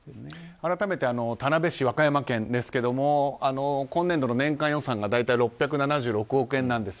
改めて田辺市、和歌山県ですが今年度の年間予算が大体６７６億円なんです。